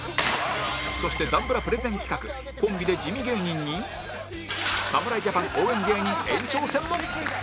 そして男ブラプレゼン企画コンビで地味芸人に侍ジャパン応援芸人延長戦も